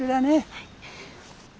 はい。